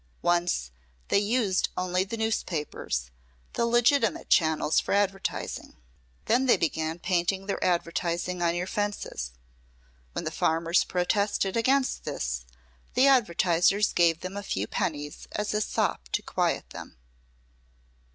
Once they used only the newspapers, the legitimate channels for advertising. Then they began painting their advertising on your fences. When the farmers protested against this the advertisers gave them a few pennies as a sop to quiet them.